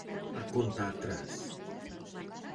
A conta atrás.